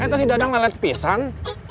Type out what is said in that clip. eh itu si dadang melalui pisang